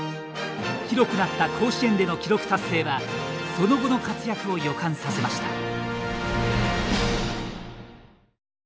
広くなった甲子園での記録達成はその後の活躍を予感させました。